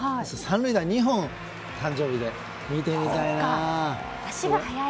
３塁打を２本誕生日で見てみたいな。